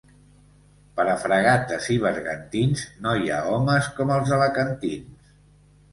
Per a fragates i bergantins, no hi ha homes com els alacantins.